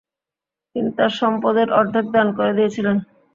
তিনি তার সম্পদের অর্ধেক দান করে দিয়েছিলেন।